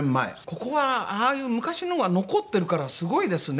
ここはああいう昔のが残ってるからすごいですね！